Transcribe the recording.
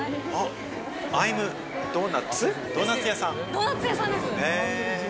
ドーナツ屋さんです。